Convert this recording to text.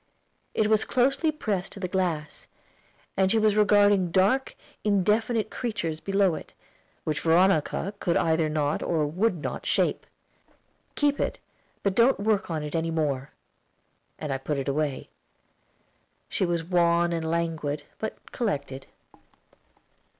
It was closely pressed to the glass, and she was regarding dark, indefinite creatures below it, which Veronica either could not or would not shape. "Keep it; but don't work on it any more." And I put it away. She was wan and languid, but collected.